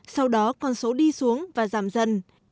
sau đó con số đi xuống và giảm dần